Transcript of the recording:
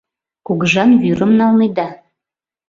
Кугыжан вӱрым налнеда.